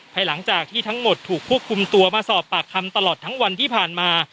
หลังจากที่ทั้งหมดถูกควบคุมตัวมาสอบปากคำตลอดทั้งวันที่ผ่านมา